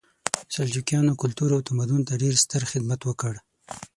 سلجوقیانو کلتور او تمدن ته ډېر ستر خدمت وکړ.